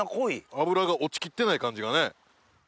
脂が落ちきってない感じがね。